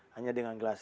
hanya dengan gelas